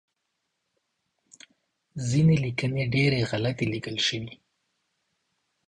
ځینې لیکنې ډیری غلطې لیکل شوی